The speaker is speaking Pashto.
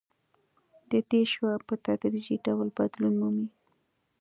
د دې شعاع په تدریجي ډول بدلون مومي